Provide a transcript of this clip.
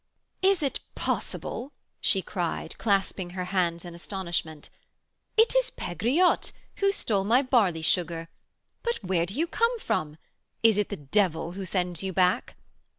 "Is it possible?" she cried, clasping her hands in astonishment. "It is Pegriotte, who stole my barley sugar. But where do you come from? Is it the devil who sends you back?"